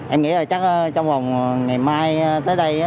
em nghĩ là chắc trong vòng ngày mai tới đây